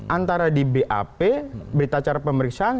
antara di bap berita cara pemeriksaan